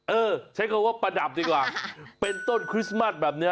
เออใช้คำว่าประดับดีกว่าเป็นต้นคริสต์มัสแบบนี้